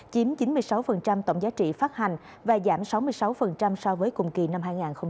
chiếm chín mươi sáu tổng giá trị phát hành và giảm sáu mươi sáu so với cùng kỳ năm hai nghìn hai mươi ba